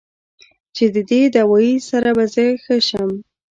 چې د دې دوائي سره به زۀ ښۀ شم